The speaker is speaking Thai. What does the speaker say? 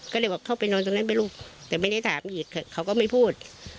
ก็เลยบอกเข้าไปนอนตรงนั้นไหมลูกแต่ไม่ได้ถามอีกเขาก็ไม่พูด